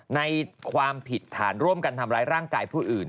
ในความผิดฐานร่วมกันทำร้ายร่างกายผู้อื่น